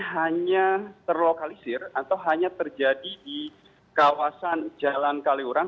hanya terlokalisir atau hanya terjadi di kawasan jalan kaliurang